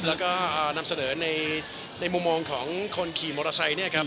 แล้วก็นำเสนอในมุมมองของคนขี่มอเตอร์ไซค์เนี่ยครับ